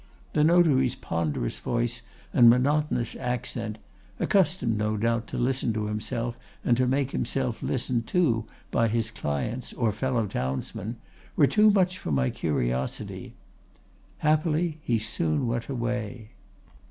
The notary's ponderous voice and monotonous accent, accustomed no doubt to listen to himself and to make himself listened to by his clients or fellow townsmen, were too much for my curiosity. Happily, he soon went away.